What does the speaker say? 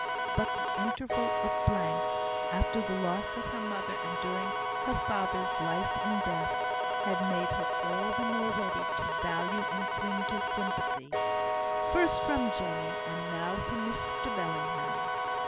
But the interval of blank, after the loss of her mother and during her father's life in death, had made her all the more ready to value and cling to sympathy first from Jenny, and now from Mr Bellingham.